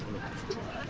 ya putar aja sepuluh